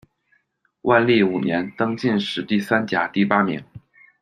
万历五年，登进士第三甲第八名。